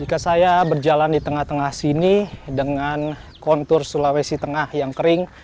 jika saya berjalan di tengah tengah sini dengan kontur sulawesi tengah yang kering